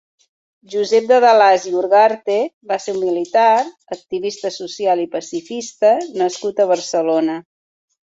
Josep de Delàs i Urgarte va ser un militar, activista social i pacifista nascut a Barcelona.